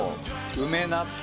梅納豆。